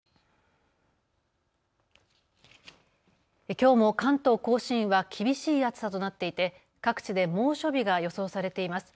きょうも関東甲信は厳しい暑さとなっていて各地で猛暑日が予想されています。